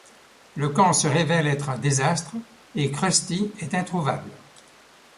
Le camp se révèle être un désastre et Krusty est introuvable.